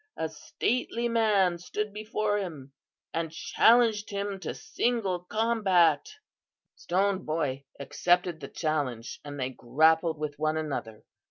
a stately man stood before him and challenged him to single combat. "Stone Boy accepted the challenge and they grappled with one another.